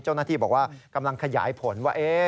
เจ้าหน้าที่บอกว่ากำลังขยายผลว่า